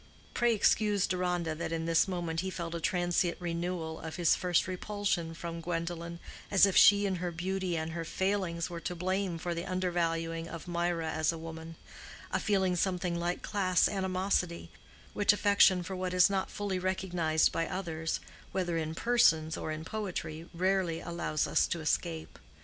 Pray excuse Deronda that in this moment he felt a transient renewal of his first repulsion from Gwendolen, as if she and her beauty and her failings were to blame for the undervaluing of Mirah as a woman—a feeling something like class animosity, which affection for what is not fully recognized by others, whether in persons or in poetry, rarely allows us to escape.